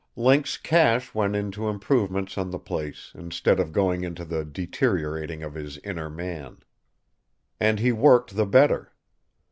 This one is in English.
Link's cash went into improvements on the place, instead of going into the deteriorating of his inner man. And he worked the better.